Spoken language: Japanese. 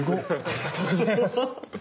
ありがとうございます。